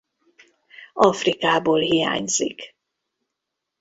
Afrikából hiányzik.